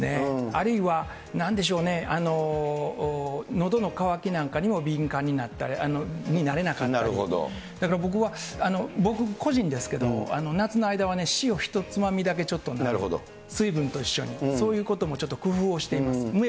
あるいは、なんでしょうね、のどの渇きなんかにも敏感になれなかったり、僕個人ですけど、夏の間はね、塩一つまみだけちょっとね、水分と一緒に、そういうこともちょっと工夫をしています。